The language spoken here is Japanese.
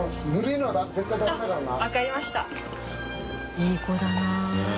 いい子だな。ねぇ。